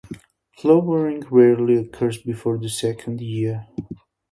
Flowering rarely occurs before the second year.